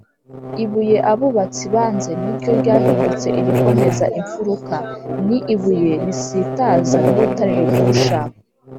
‘ibuye abubatsi banze ni ryo ryahindutse irikomeza imfuruka, ni ibuye risitaza n’urutare rugusha’